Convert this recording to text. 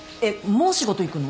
もう仕事行くの？